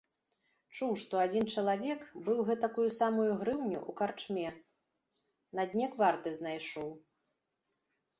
Чуў, што адзін чалавек быў гэтакую самую грыўню ў карчме на дне кварты знайшоў.